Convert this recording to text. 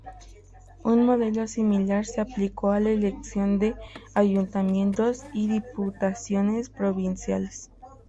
Un modelo similar se aplicó a la elección de ayuntamientos y diputaciones provinciales.